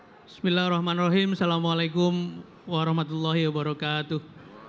bismillahirrahmanirrahim assalamualaikum warahmatullahi wabarakatuh